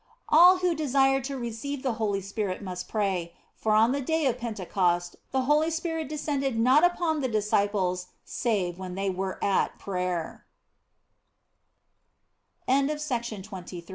All who desire to receive the Holy Spirit must pray ; for on the day of Pentecost the Holy Spirit descended not upon the disciples save when they were at praye